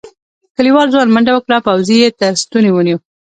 کليوال ځوان منډه وکړه پوځي یې تر ستوني ونيو.